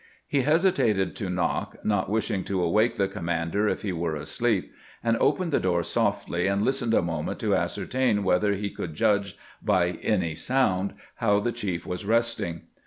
He hesitated to knock, not wish ing to awake the commander if he were asleep, and opened the door softly and listened a moment to ascer tain whether he could judge by any sound how the chief was resting.